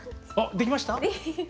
できました。